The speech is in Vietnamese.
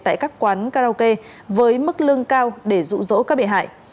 tại các quán karaoke với mức lương cao để rụ rỗ các bị hại